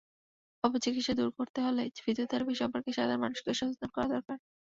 অপচিকিৎসা দূর করতে হলে ফিজিওথেরাপি সম্পর্কে সাধারণ মানুষকে সচেতন করা দরকার।